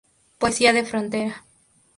Poesía de frontera".